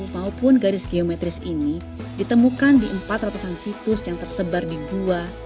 maupun garis geometris ini ditemukan di empat ratusan situs yang tersebar di gua